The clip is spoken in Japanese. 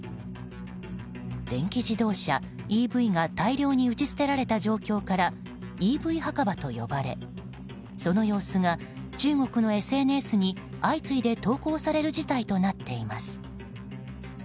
電気自動車・ＥＶが大量に打ち捨てられた状態からＥＶ墓場と呼ばれその様子が、中国のＳＮＳに相次いで投稿される事態となっています。